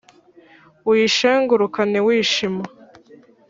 Uyishengurukane wishima